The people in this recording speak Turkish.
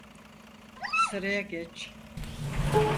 Sıraya geç.